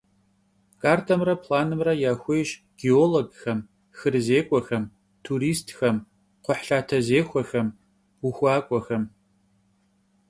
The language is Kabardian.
Kartemre planımre yaxuêyş gêologxem, xırızêk'uexem, turistxem, kxhuhlhatezêxuexem, vuxuak'uexem.